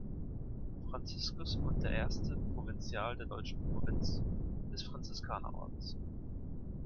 Franziskus und der erste Provinzial der deutschen Provinz des Franziskanerordens.